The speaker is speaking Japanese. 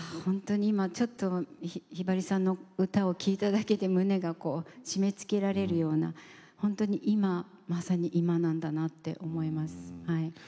今、ひばりさんの歌を聴いただけで胸が締めつけられるような本当に今、まさに今なんだなと思いますね。